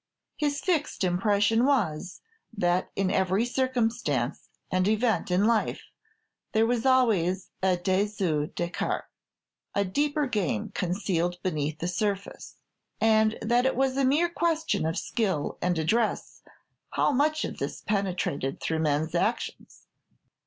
His fixed impression was, that in every circumstance and event in life there was always a dessous des cartes, a deeper game concealed beneath the surface, and that it was a mere question of skill and address how much of this penetrated through men's actions.